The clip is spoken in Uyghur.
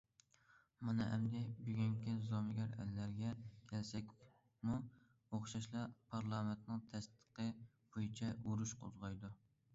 مانا ئەمدى بۈگۈنكى زومىگەر ئەللەرگە كەلسەكمۇ ئوخشاشلا پارلامېنتنىڭ تەستىقى بويىچە ئۇرۇش قوزغايدۇ.